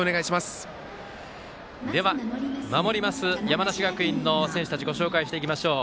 では守ります山梨学院の選手たちご紹介していきましょう。